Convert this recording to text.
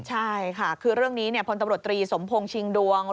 ใช่ค่ะคือเรื่องนี้พลตำรวจตรีสมพงศ์ชิงดวง